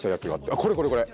あっこれこれこれ。